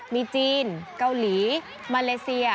มีจีนเกาหลีมาเลเซีย